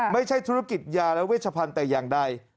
ไม่ใช่ธุรกิจยาและเวชพันธุ์แต่อย่างใด